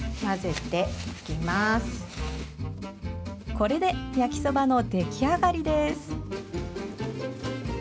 これで焼きそばの出来上がりです！